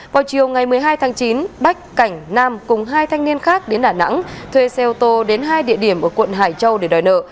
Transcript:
vào chiều ngày một mươi hai tháng chín bách cảnh nam cùng hai thanh niên khác đến đà nẵng thuê xe ô tô đến hai địa điểm ở quận hải châu để đòi nợ